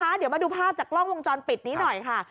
เดี๋ยวมาดูภาพจากกล้องวงจรปิดนี้หน่อยค่ะ